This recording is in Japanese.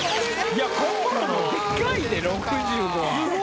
いや心もでかいで６５は。